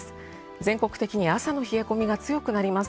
全国的に朝の冷え込みが強くなります。